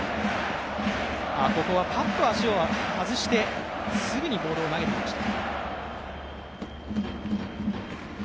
ここは足を外してすぐにボールを投げてきました。